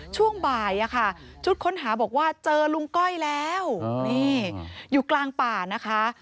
ช่วงบ่ายชุดค้นหาบอกว่าเจอลุงก้อยแล้วนี่อยู่กลางป่านะคะ